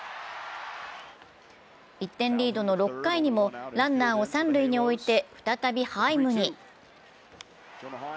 １点リードの６回にもランナーを三塁に置いて、再びハイムに。